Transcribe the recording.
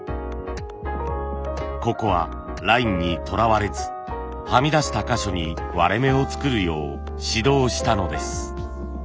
ここはラインにとらわれずはみ出した箇所に割れ目を作るよう指導したのです。